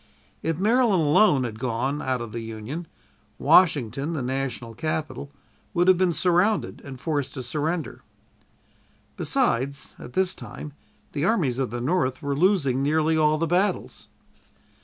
If Maryland alone had gone out of the Union, Washington, the national capital, would have been surrounded and forced to surrender. Besides, at this time, the armies of the North were losing nearly all the battles.